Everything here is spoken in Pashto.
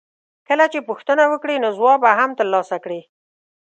کله چې پوښتنه وکړې نو ځواب به هم ترلاسه کړې.